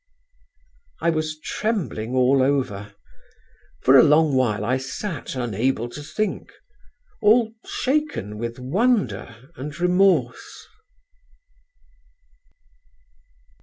"I was trembling all over. For a long while I sat, unable to think, all shaken with wonder and remorse."